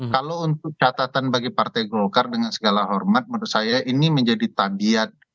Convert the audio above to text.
kalau untuk catatan bagi partai golkar dengan segala hormat menurut saya ini menjadi tabiat